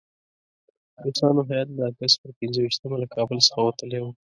روسانو هیات د اګست پر پنځه ویشتمه له کابل څخه وتلی وو.